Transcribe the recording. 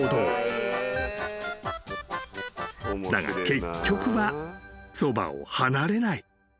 ［だが結局はそばを離れない］